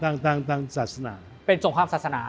ตามตามตามศาสนาเป็นสงครามศาสนา